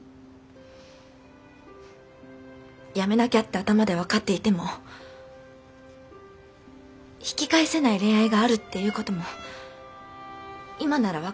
やめなきゃって頭で分かっていても引き返せない恋愛があるっていう事も今なら分かるわ。